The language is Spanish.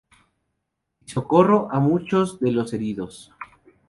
Di socorro a muchos de los heridos.